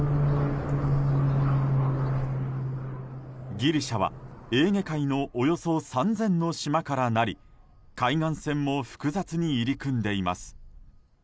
ギリシャはエーゲ海のおよそ３０００の島からなり海岸線も複雑に入り組んでいます。